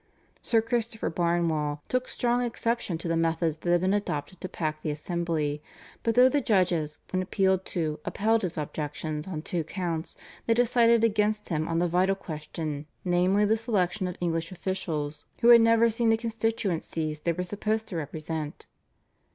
Sir Christopher Barnewall took strong exception to the methods that had been adopted to pack the assembly, but though the judges when appealed to upheld his objections on two counts they decided against him on the vital question, namely, the selection of English officials who had never seen the constituencies they were supposed to represent.